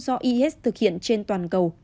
do isis thực hiện trên toàn cầu